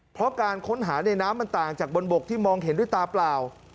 เพราะการค้นหาในน้ำมันต่างจากบนบกที่มองเห็นด้วยตาเปล่า